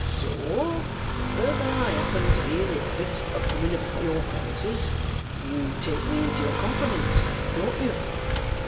"So, as I happen to be in the habit of coming about your premises, you take me into your confidence, don't you?"